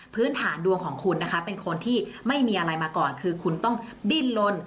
พื้นฐานดวงของคุณนะคะเป็นคนที่ไม่มีอะไรมาก่อนคือคุณต้องดิ้นลน